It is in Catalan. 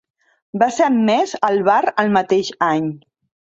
Va ser admès al bar el mateix any.